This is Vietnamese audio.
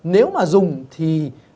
nếu mà dùng thì